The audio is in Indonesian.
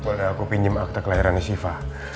mbak nur boleh aku pinjem akte kelahiran siva